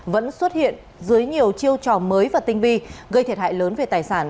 vẫn xuất hiện dưới nhiều chiêu trò mới và tinh vi gây thiệt hại lớn về tài sản